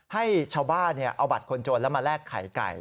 ให้ชาวบ้านเอาบัตรคนจนแล้วมาแลกไข่ไก่